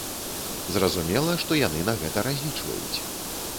Зразумела, што яны на гэта разлічваюць.